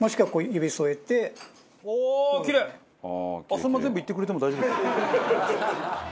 そのまま全部いってくれても大丈夫ですよ。